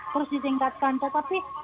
terus ditingkatkan tetapi